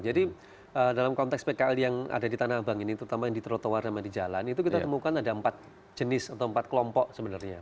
jadi dalam konteks pkl yang ada di tanah abang ini terutama yang di trotoar sama di jalan itu kita temukan ada empat jenis atau empat kelompok sebenarnya